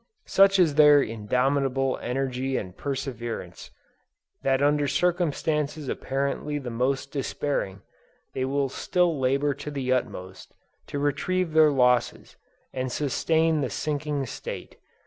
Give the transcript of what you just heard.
Such is their indomitable energy and perseverance, that under circumstances apparently the most despairing, they will still labor to the utmost, to retrieve their losses, and sustain the sinking state.